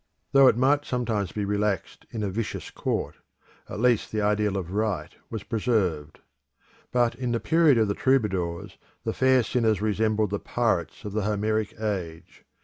Though it might sometimes be relaxed in a vicious court, at least the ideal of right was preserved. But in the period of the Troubadours the fair sinners resembled the pirates of the Homeric age.